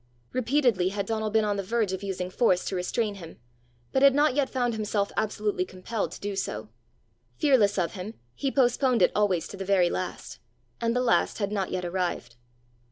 Repeatedly had Donal been on the verge of using force to restrain him, but had not yet found himself absolutely compelled to do so: fearless of him, he postponed it always to the very last, and the last had not yet arrived.